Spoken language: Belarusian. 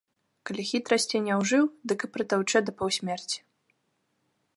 Калі хітрасці не ўжыў, дык і прытаўчэ да паўсмерці.